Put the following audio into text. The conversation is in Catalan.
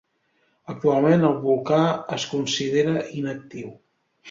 Actualment el volcà es considera inactiu.